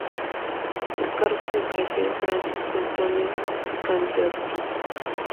El cargo recayó en Francisco Antonio Candioti.